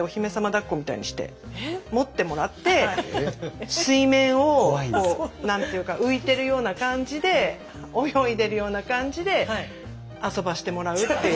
だっこみたいにして持ってもらって水面を何ていうか浮いてるような感じで泳いでるような感じで遊ばしてもらうっていう。